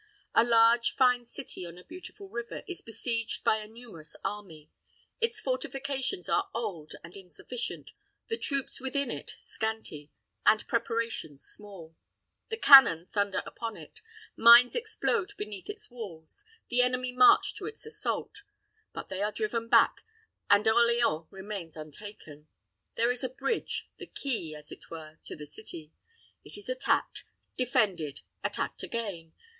A large, fine city, on a beautiful river, is besieged by a numerous army. Its fortifications are old and insufficient, the troops within it scanty, the preparations small. The cannon thunder upon it, mines explode beneath its walls, the enemy march to its assault; but they are driven back, and Orleans remains untaken. There is a bridge, the key, as it were, to the city. It is attacked, defended, attacked again.